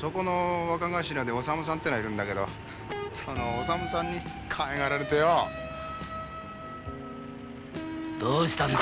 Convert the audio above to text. そこの若頭でオサムさんってのがいるんだけどそのオサムさんにかわいがられてよどうしたんだよ